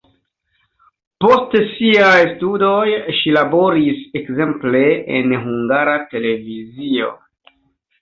Post siaj studoj ŝi laboris ekzemple en Hungara Televizio.